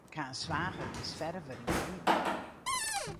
Ik ha in swager, dy is ferver yn de Ryp.